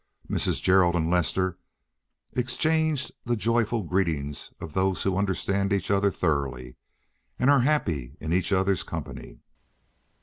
Mrs. Gerald and Lester exchanged the joyful greetings of those who understand each other thoroughly and are happy in each other's company.